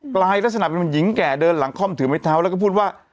ลายลักษณะเป็นเหมือนหญิงแก่เดินหลังคล่อมถือไม้เท้าแล้วก็พูดว่า